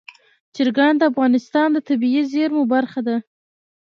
چرګان د افغانستان د طبیعي زیرمو برخه ده.